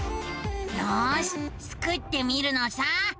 よしスクってみるのさ。